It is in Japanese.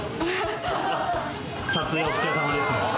「撮影お疲れさまです」の？